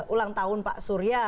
ulang tahun pak surya